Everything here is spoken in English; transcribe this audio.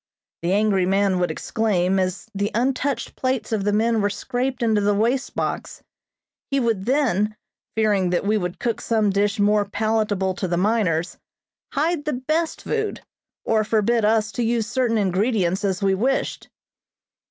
the angry man would exclaim, as the untouched plates of the men were scraped into the waste box. He would then, fearing that we would cook some dish more palatable to the miners, hide the best food, or forbid us to use certain ingredients as we wished.